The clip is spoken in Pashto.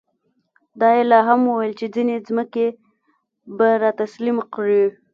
دا یې لا هم ویل چې ځینې ځمکې به را تسلیم کړي.